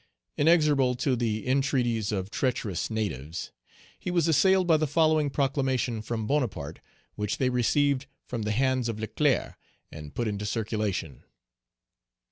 Inexorable to the entreaties of treacherous natives, he was assailed by the following proclamation from Bonaparte, which they received from the hands of Leclerc, and put into circulation.